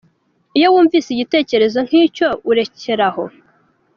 Iyo wumvise igitekerezo nk’icyo urekera aho.